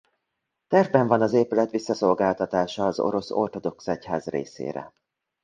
Tervben van az épület visszaszolgáltatása az orosz ortodox egyház részére.